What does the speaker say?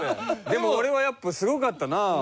でも俺はやっぱすごかったな。